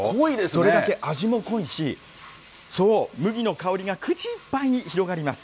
それだけ味も濃いし、そう、麦の香りが口いっぱいに広がります。